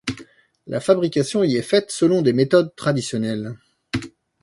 La fabrication y est faite selon des méthodes traditionnelles.